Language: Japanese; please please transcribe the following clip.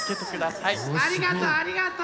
ありがとありがと！